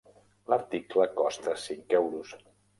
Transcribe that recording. L'article costa cinc euros